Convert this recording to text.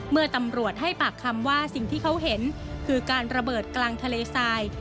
เมื่อตำรวจให้ปากคำว่าสิ่งที่เขาเห็นคือการระเบิดกลางทะเลทราย